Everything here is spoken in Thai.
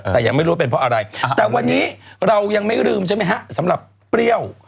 แต่ยังไม่รู้ว่าเป็นเพราะอะไรแต่วันนี้เรายังไม่ลืมใช่ไหมฮะสำหรับเปรี้ยว